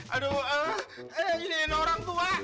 aduh ini orang tua